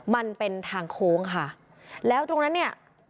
มันเป็นทางโค้งค่ะแล้วตรงนั้นเนี่ย